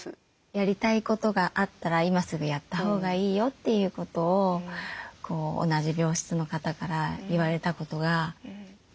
やりたいことがあったら今すぐやったほうがいいよっていうことを同じ病室の方から言われたことがずっと支えになってる。